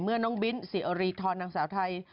เมื่อน้องบิ้นศรีอรีทรนางสาวไทย